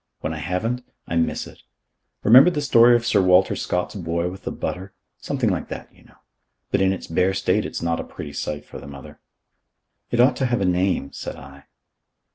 When I haven't, I miss it. Remember the story of Sir Walter Scott's boy with the butter? Something like that, you know. But in its bare state it's not a pretty sight for the mother." "It ought to have a name," said I.